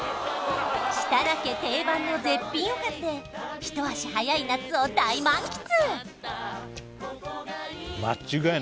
設楽家定番の絶品おかずで一足早い夏を大満喫！